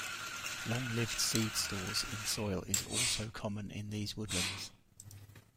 Long-lived seed stores in soil is also common in these woodlands.